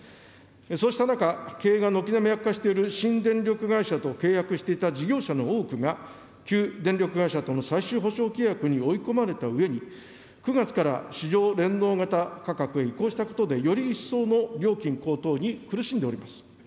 そうした中、経営が軒並み悪化している新電力会社と契約していた事業者の多くが、９電力会社との最終保障契約に追い込まれたうえに、９月から市場連動型価格へ移行していくことでより一層の料金高騰に苦しんでおります。